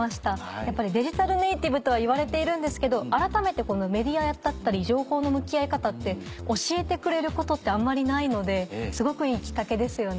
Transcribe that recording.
やっぱりデジタルネーティブとは言われているんですけどあらためてメディアだったり情報の向き合い方って教えてくれることってあんまりないのですごくいいきっかけですよね。